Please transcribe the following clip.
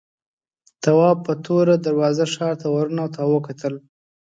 تواب په توره دروازه ښار ته ورننوت او وکتل.